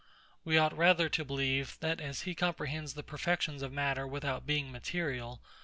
We ought rather to believe, that as he comprehends the perfections of matter without being material....